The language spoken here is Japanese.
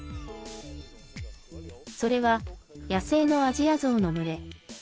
それは、野生のアジアゾウの群れ。